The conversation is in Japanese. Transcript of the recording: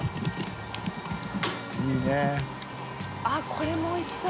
これもおいしそう！